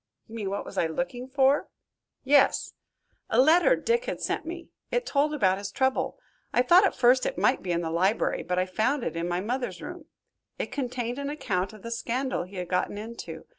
"You mean what was I looking for?" "Yes." "A letter Dick had sent me. It told about his trouble. I thought at first it might be in the library, but I found it in my mother's room. It contained an account of the scandal he had gotten into.